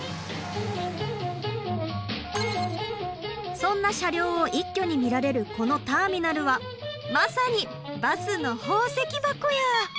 そんな車両を一挙に見られるこのターミナルはまさにバスの宝石箱や！